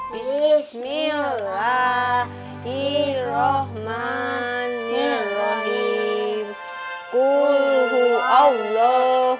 bismillahirrahmanirrahim bakso yang ncatat